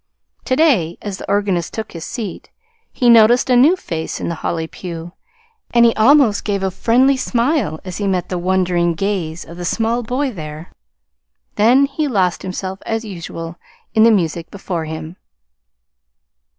To day, as the organist took his seat, he noticed a new face in the Holly pew, and he almost gave a friendly smile as he met the wondering gaze of the small boy there; then he lost himself, as usual, in the music before him.